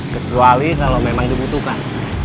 kecuali kalau memang dibutuhkan